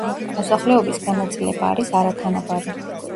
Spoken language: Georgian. მოსახლეობის განაწილება არის არათანაბარი.